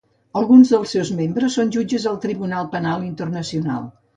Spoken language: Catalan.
Alguns dels seus membres són jutges al Tribunal Penal Internacional.